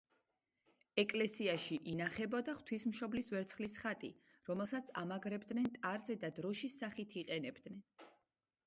ეკლესიაში ინახებოდა ღვთისმშობლის ვერცხლის ხატი, რომელსაც ამაგრებდნენ ტარზე და დროშის სახით იყენებდნენ.